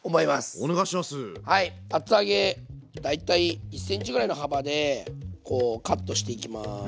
厚揚げ大体１ｃｍぐらいの幅でこうカットしていきます。